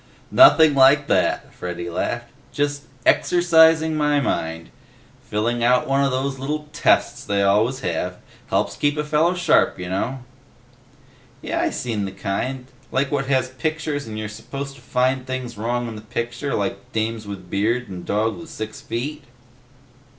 "Nothing like that," Freddy laughed. "Just, exercising my mind. Filling out one of those little tests they always have. Helps keep a fella sharp, you know." "Yeh, I seen the kind. Like what has pictures and you're supposed to find things wrong in the picture like dames with beards and dogs with six feet?"